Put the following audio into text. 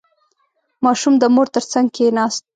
• ماشوم د مور تر څنګ کښېناست.